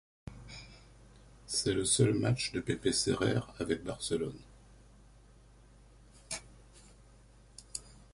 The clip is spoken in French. C'est le seul match de Pepe Serer avec Barcelone.